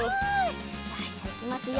よしじゃあいきますよ。